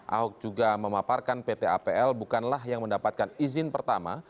ahok juga memaparkan pt apl bukanlah yang mendapatkan izin pertama